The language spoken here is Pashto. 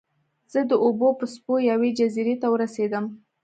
زه د اوبو په څپو یوې جزیرې ته ورسیدم.